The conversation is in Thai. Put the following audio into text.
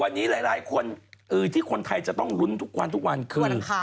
วันนี้หลายคนที่คนไทยจะต้องลุ้นทุกวันทุกวันคือ